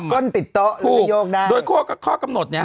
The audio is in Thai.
้นติดโต๊ะถูกโยกได้โดยข้อกำหนดเนี่ย